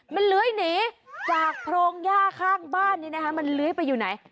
มันเลื้อยหนีจากโพรงย่าข้างบ้านนี้นะคะมันเลื้อยไปอยู่ไหน